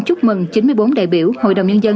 chúc mừng chín mươi bốn đại biểu hội đồng nhân dân